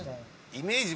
イメージ